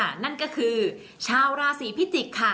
ส่งผลทำให้ดวงชะตาของชาวราศีมีนดีแบบสุดเลยนะคะ